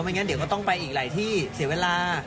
งั้นเดี๋ยวก็ต้องไปอีกหลายที่เสียเวลา